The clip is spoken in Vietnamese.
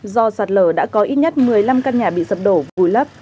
do sạt lở đã có ít nhất một mươi năm căn nhà bị sập đổ vùi lấp